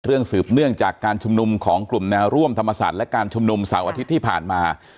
สืบเนื่องจากการชุมนุมของกลุ่มแนวร่วมธรรมศาสตร์และการชุมนุมเสาร์อาทิตย์ที่ผ่านมา